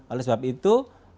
oleh sebab itu